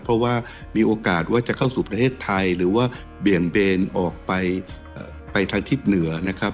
เพราะว่ามีโอกาสว่าจะเข้าสู่ประเทศไทยหรือว่าเบี่ยงเบนออกไปไปทางทิศเหนือนะครับ